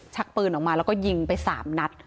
ชักปืนออกมาแล้วก็ยิงไป๓นัด